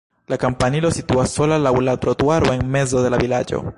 La kampanilo situas sola laŭ la trotuaro en mezo de la vilaĝo.